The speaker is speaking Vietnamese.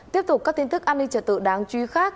tiếp tục các tin tức an ninh trật tự đáng chú ý khác